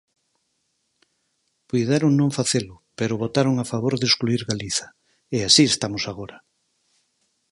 Puideron non facelo, pero votaron a favor de excluír Galiza, ¡e así estamos agora!